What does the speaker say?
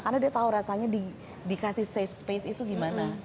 karena dia tau rasanya dikasih safe space itu gimana